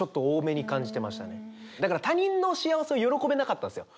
だから他人の幸せを喜べなかったんすよ。